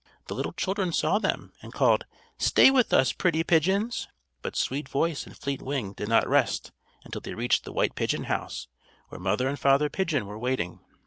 The little children saw them and called: "Stay with us, pretty pigeons." But Sweet Voice and Fleet Wing did not rest until they reached the white pigeon house, where Mother and Father Pigeon were waiting.